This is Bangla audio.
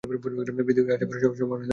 পৃথিবীতে আছড়ে পড়ার সম্ভাবনা শতভাগ নিশ্চিত!